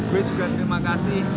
gue juga terima kasih